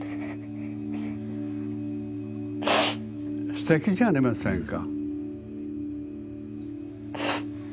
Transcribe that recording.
すてきじゃありませんか。